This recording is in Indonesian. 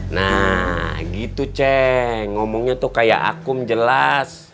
nah gitu ceng ngomongnya tuh kayak akum jelas